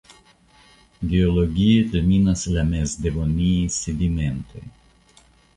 Geologie dominas la mezdevoniaj sedimentoj.